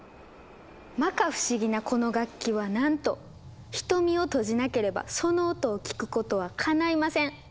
まか不思議なこの楽器はなんと瞳を閉じなければその音を聞くことはかないません。